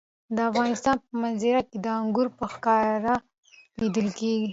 د افغانستان په منظره کې انګور په ښکاره لیدل کېږي.